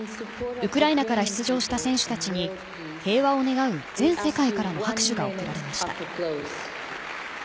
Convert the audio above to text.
ウクライナから出場した選手たちに平和を願う全世界からの拍手が送られました。